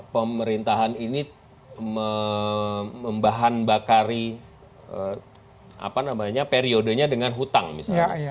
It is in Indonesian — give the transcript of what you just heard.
pemerintahan ini membahan bakari periodenya dengan hutang misalnya